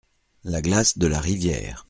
La glace de la rivière !